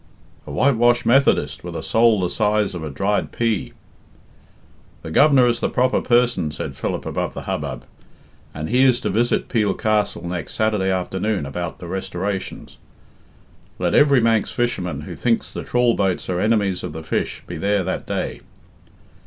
"A whitewashed Methodist with a soul the size of a dried pea." "The Governor is the proper person," said Philip above the hubbub, "and he is to visit Peel Castle next Saturday afternoon about the restorations. Let every Manx fisherman who thinks the trawl boats are enemies of the fish be there that day.